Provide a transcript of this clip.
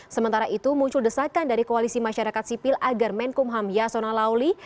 sementara itu muncul desakan dari koalisi masyarakat sipil agar menkumham yasona lauli